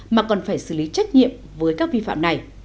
mà còn phải xử lý trách nhiệm với các vi phạm này